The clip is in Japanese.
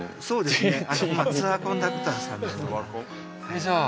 そうですね